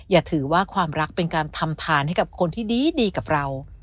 อย่าถือว่าความรักเป็นการทำทานให้กับคนที่ดีกับเรา